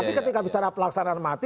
tapi ketika bicara pelaksanaan mati